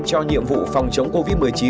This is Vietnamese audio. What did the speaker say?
cho nhiệm vụ phòng chống covid một mươi chín